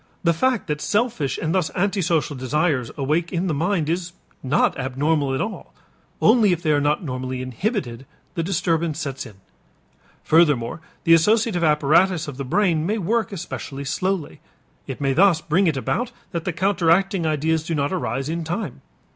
The fact that selfish and thus antisocial desires awake in the mind is not abnormal at all; only if they are not normally inhibited, the disturbance sets in. Furthermore the associative apparatus of the brain may work especially slowly; it may thus bring it about that the counteracting ideas do not arise in time.